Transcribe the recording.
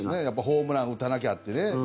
ホームラン打たなきゃってね。